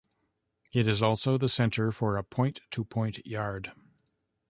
It is also the centre for a point to point yard.